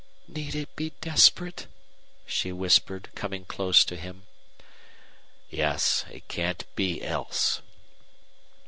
"Need it be desperate?" she whispered, coming close to him. "Yes; it can't be else."